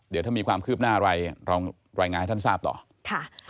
เดี๋ยวถ้ามีความคืบหน้าอะไรเรารายงานให้ท่านทราบต่อค่ะ